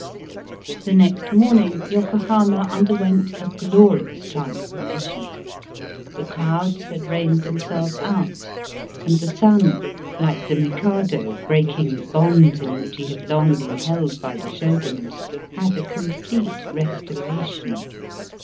The next morning Yokohama underwent a glorious transformation. The clouds had rained themselves out, and the sun, Uke the Mikado breaking the bonds in which he had long been held by the Shoguns, had a com plete restoration.